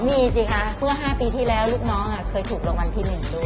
มีสิคะเมื่อ๕ปีที่แล้วลูกน้องเคยถูกรางวัลที่๑ด้วย